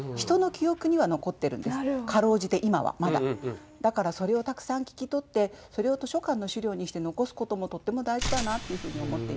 特にだからそれをたくさん聞き取ってそれを図書館の資料にして残すこともとっても大事だなっていうふうに思っています。